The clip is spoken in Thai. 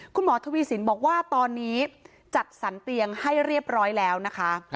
คุณหมอทวีสินบอกว่าตอนนี้จัดสรรเตียงให้เรียบร้อยแล้วนะคะ